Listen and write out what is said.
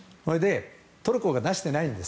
トルコが出していないんです。